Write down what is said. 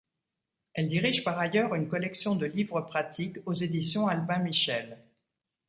Elle dirige par ailleurs une collection de livres pratiques aux Éditions Albin Michel.